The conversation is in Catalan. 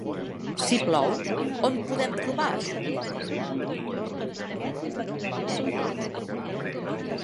Si plou, on podem trobar aixopluc?